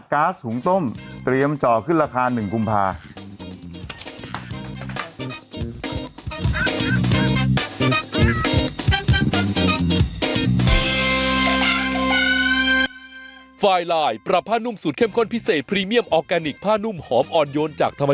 ๊าซหุงต้มเตรียมเจาะขึ้นราคา๑กุมภา